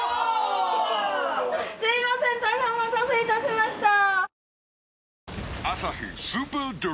すいません大変お待たせいたしました